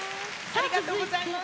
ありがとうございます。